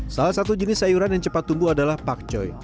salah satu jenis sayuran yang cepat tumbuh adalah pakcoy